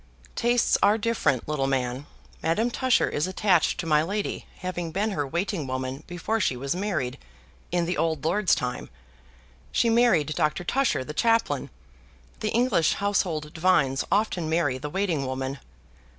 "Tastes are different, little man. Madame Tusher is attached to my lady, having been her waiting woman before she was married, in the old lord's time. She married Doctor Tusher the chaplain. The English household divines often marry the waiting women."